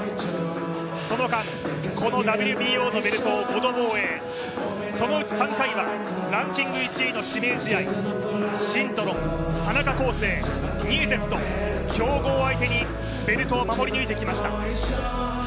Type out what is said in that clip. その間、このＷＢＯのベルトを５度防衛そのうち３回はランキング１位の指名試合、シントロン、田中恒成、ニエテスと強豪相手にベルトを守り抜いてきました。